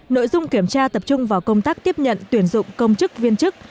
nội dung kiểm tra tập trung vào công tác tiếp nhận tuyển dụng công chức viên chức